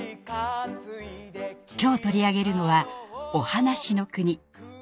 今日取り上げるのは「おはなしのくに」。